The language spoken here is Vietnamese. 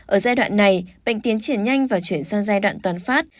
ở giai đoạn này bệnh tiến triển nhanh và chuyển sang giai đoạn toàn phát